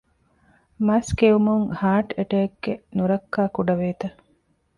މަސް ކެއުމުން ހާޓް އެޓޭކްގެ ނުރައްކާ ކުޑަވޭތަ؟